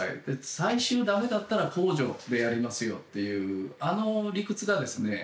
最終駄目だったら公助でやりますよっていうあの理屈がですね